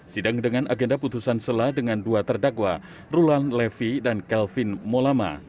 sidang dengan agenda putusan selah dengan dua terdakwa rulang levi dan kelvin molama